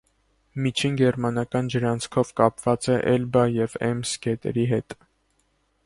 Միջին գերմանական ջրանցքով կապված է էլբա և էմս գետերի հետ։